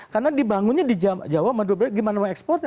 karena dibangunnya di jawa maduberg gimana ekspornya